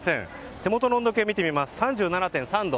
手元の温度計を見ると３７．３度。